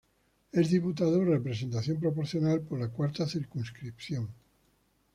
Es diputado de representación proporcional por la cuarta circunscripción.